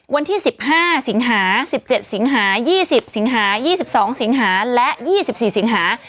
วันที่๑๕สิงหา๑๗สิงหา๒๐สิงหา๒๒สิงหาและ๒๔สิงหา